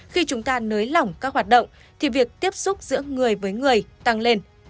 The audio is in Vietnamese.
khi chúng ta nới lỏng các hoạt động thì việc tiếp xúc giữa người với người tăng lên